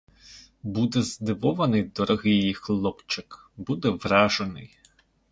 Буде здивований, дорогий її хлопчик, буде вражений.